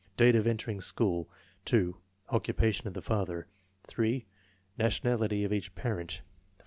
Date of entering school; 8. Occupation of the father; 3. Nationality of each parent; 4.